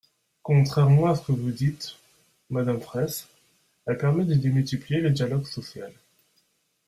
Contrairement ce que vous dites, madame Fraysse, elle permet de démultiplier le dialogue social.